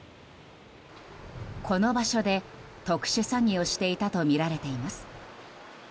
この場所で特殊詐欺をしていたとみられています。